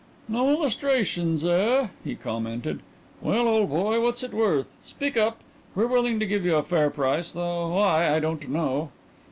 "No illustrations, eh?" he commented. "Well, old boy, what's it worth? Speak up! We're willing to give you a fair price, though why I don't know."